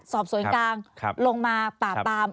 สอบส่วนกลางลงมาปากตาม